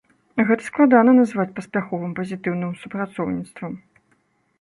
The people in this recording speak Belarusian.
Гэта складана назваць паспяховым пазітыўным супрацоўніцтвам.